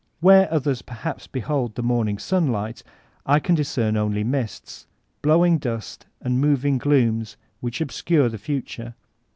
Where others perhaps behold the morning sunlight, I can discern only mists— blowing dust and moving glooms which obscure the future.